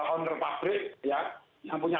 owner pabrik yang punya